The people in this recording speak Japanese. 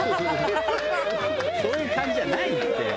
「そういう感じじゃないって！」